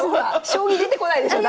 将棋出てこないでしょ